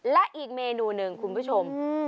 และอีกเมนูหนึ่งคุณผู้ชม